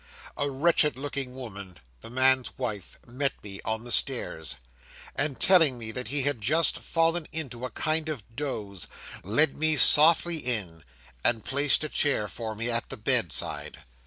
'A wretched looking woman, the man's wife, met me on the stairs, and, telling me that he had just fallen into a kind of doze, led me softly in, and placed a chair for me at the bedside.